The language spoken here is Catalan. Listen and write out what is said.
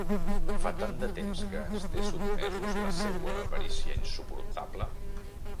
Fa tant de temps que ens té sotmesos la seua avarícia insuportable!